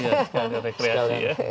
sekalian rekreasi ya